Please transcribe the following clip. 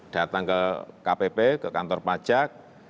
datang ke kpp ke kantor pajak